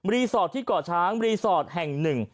สอดที่ก่อช้างรีสอร์ทแห่งหนึ่ง